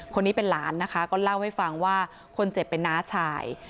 คนนี้เป็นหลานนะคะก็เล่าให้ฟังว่าคนเจ็บเป็นน้าชาย